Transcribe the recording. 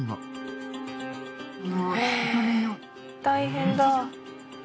大変だ。